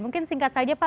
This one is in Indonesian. mungkin singkat saja pak